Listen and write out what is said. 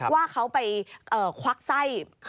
ว่าเขาไปควักไส้